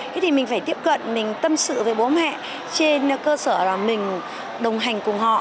thế thì mình phải tiếp cận mình tâm sự với bố mẹ trên cơ sở là mình đồng hành cùng họ